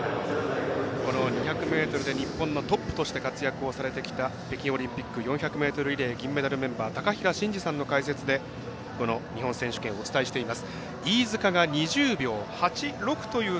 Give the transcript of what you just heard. この２００ｍで日本のトップとして活躍をされてきた北京オリンピック４００ｍリレー銀メダルメンバー高平慎士さんの解説でお耐えしています。